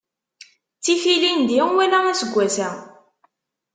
Ttif ilindi wala aseggas-a.